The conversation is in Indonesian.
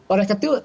oleh karena itu